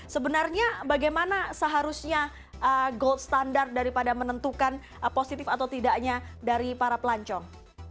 sebenarnya bagaimana seharusnya gold standard daripada menentukan positif atau tidaknya dari para pelancong